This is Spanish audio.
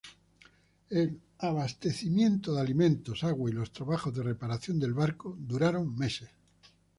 El abastecimiento de alimentos, agua y los trabajos de reparación del barco, duraron meses.